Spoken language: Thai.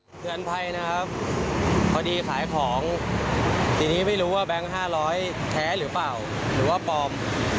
เตือนภัยนะครับพอดีขายของทีนี้ไม่รู้ว่าแบงค์๕๐๐แท้หรือเปล่าหรือว่าปลอม